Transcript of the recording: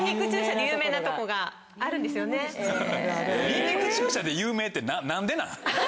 にんにく注射で有名って何でなん？